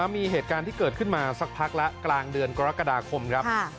มีเหตุการณ์ที่เกิดขึ้นมาสักพักแล้วกลางเดือนกรกฎาคมครับ